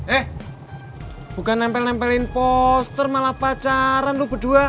eh bukan nempel nempelin poster malah pacaran lu berdua